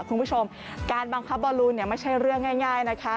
คุณผู้ชมการบังคับบอลลูนไม่ใช่เรื่องง่ายนะคะ